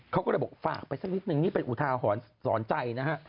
เขาก็เลยบอกฝากไปสักนิดนึงนี่เป็นอุทาหรณ์สอนใจนะฮะ